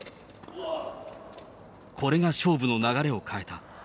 これが勝負の流れを変えた。